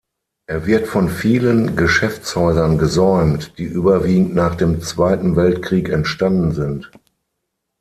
Er wird von vielen Geschäftshäusern gesäumt, die überwiegend nach dem Zweiten Weltkrieg entstanden sind.